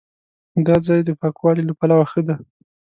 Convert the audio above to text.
دا ځای د پاکوالي له پلوه ښه دی.